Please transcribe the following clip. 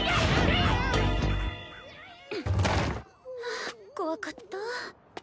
あ怖かった。